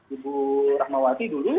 ibu rahmawati dulu